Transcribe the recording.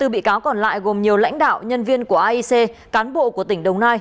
hai mươi bị cáo còn lại gồm nhiều lãnh đạo nhân viên của aic cán bộ của tỉnh đồng nai